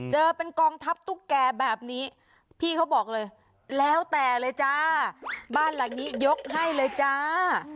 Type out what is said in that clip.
เจอเป็นกองทัพตุ๊กแก่แบบนี้พี่เขาบอกเลยแล้วแต่เลยจ้าบ้านหลังนี้ยกให้เลยจ้า